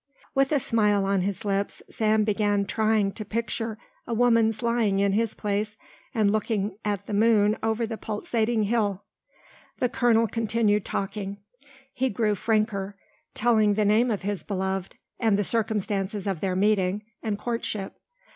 With a smile on his lips, Sam began trying to picture a woman's lying in his place and looking at the moon over the pulsating hill. The colonel continued talking. He grew franker, telling the name of his beloved and the circumstances of their meeting and courtship.